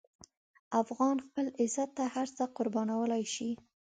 افغان خپل عزت ته هر څه قربانولی شي.